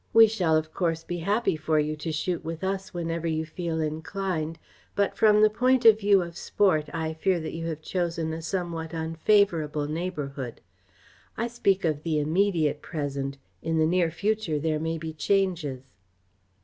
We shall, of course, be happy for you to shoot with us, whenever you feel inclined, but from the point of view of sport I fear that you have chosen a somewhat unfavourable neighbourhood. I speak of the immediate present. In the near future there may be changes."